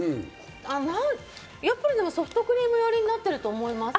やっぱりソフトクリームよりになってると思います。